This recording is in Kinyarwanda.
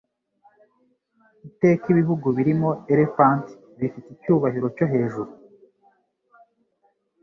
Iteka ibihugu birimo Elephant bifite icyubahiro cyo hejuru